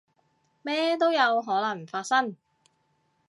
咩都有可能發生